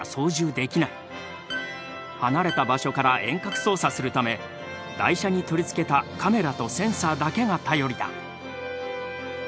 離れた場所から遠隔操作するため台車に取り付けたカメラとセンサーだけが頼りだ。